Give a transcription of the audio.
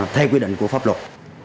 theo quyết định của pháp luật